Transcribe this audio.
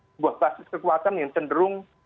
sebuah basis kekuatan yang cenderung